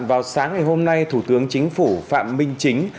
vào sáng ngày hôm nay thủ tướng chính phủ phạm minh chính